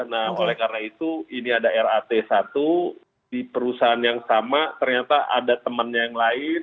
nah oleh karena itu ini ada rat satu di perusahaan yang sama ternyata ada temannya yang lain